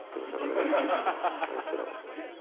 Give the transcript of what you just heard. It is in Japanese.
あいつらは。